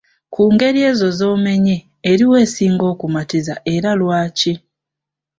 Ku ngeri ezo z’omenye, eriwa esinga okumatiza era lwaki?